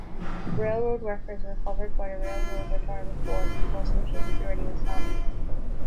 Railroad workers were covered by the Railroad Retirement Board before Social Security was founded.